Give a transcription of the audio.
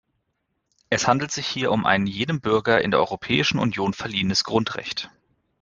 Es handelt sich hier um ein jedem Bürger in der Europäischen Union verliehenes Grundrecht.